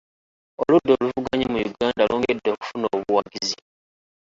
Oludda oluvuganya mu Uganda lwongedde okufuna obuwagizi.